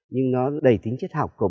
nóc chân cổ phía ngoài